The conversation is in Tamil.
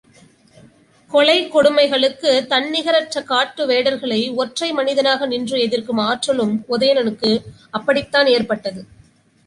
கொலைக் கொடுமைகளுக்குத் தன்நிகரற்ற காட்டு வேடர்களை ஒற்றை மனிதனாக நின்று எதிர்க்கும் ஆற்றலும் உதயணனுக்கு அப்படித்தான் ஏற்பட்டது.